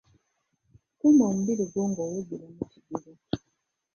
Kuuma omubiri gwo ng’owugira mu kidiba.